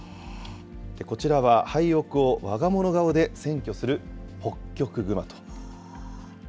こちらは、廃屋をわが物顔で占拠するホッキョクグマと。